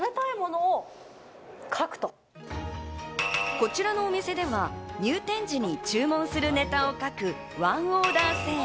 こちらのお店では入店時に注文するネタを書くワンオーダー制。